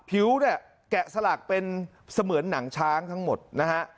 ผิวเนี่ยแกะสลักเป็นเสมือนหนังช้างทั้งหมดนะฮะ